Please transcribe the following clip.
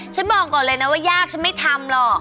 ฉันบอกก่อนเลยนะว่ายากฉันไม่ทำหรอก